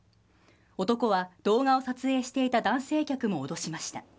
男は動画を撮影していた男性客も脅しました。